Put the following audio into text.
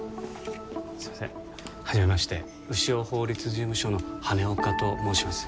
すいませんはじめまして潮法律事務所の羽根岡と申します